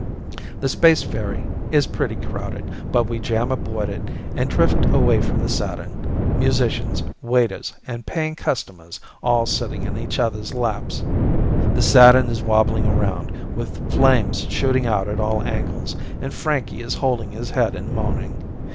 The space ferry is pretty crowded, but we jam aboard it and drift away from the Saturn musicians, waiters and paying customers all sitting in each other's laps. The Saturn is wobbling around, with flames shooting out at all angles, and Frankie is holding his head and moaning.